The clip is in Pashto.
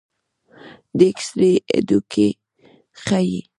د ایکس رې هډوکي ښيي.